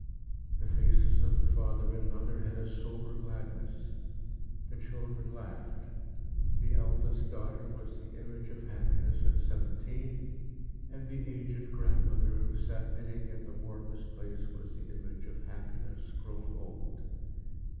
The faces of the father and mother had a sober gladness; the children laughed; the eldest daughter was the image of Happiness at seventeen; and the aged grandmother, who sat knitting in the warmest place, was the image of Happiness grown old.